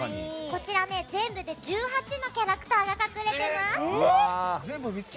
こちら、全部で１８のキャラクターが隠れてます。